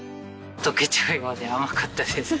溶けちゃうようで甘かったです。